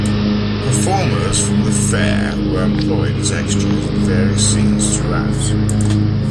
Performers from the Faire were employed as extras in various scenes throughout.